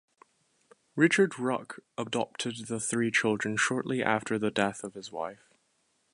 Richard Ruck adopted the three children shortly after the death of his wife.